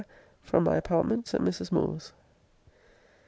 FROM MY APARTMENTS AT MRS. MOORE'S.